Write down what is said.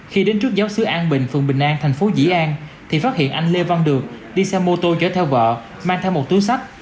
khi đến trước giáo sứ an bình phường bình an thành phố dĩ an thì phát hiện anh lê văn được đi xe mô tô chở theo vợ mang theo một túi sách